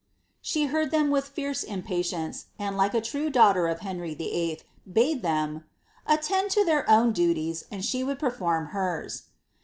She heard them with fierce impa tience, and, like a true daughter of Henry VIII., bade them ^ attend to Ibeir own duties, and she would perform hers."